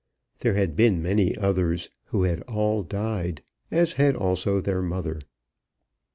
There had been many others, who had all died, as had also their mother.